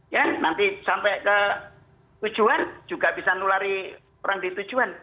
ya nanti sampai ke tujuan juga bisa nulari orang di tujuan